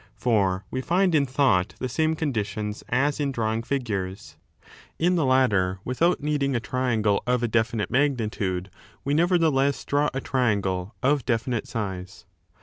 For we find in thought the same conditions as in drawing 4500 figures. In the latter without needing a triangle of a definite magnitude, we nevertheless draw a triangle of definite size.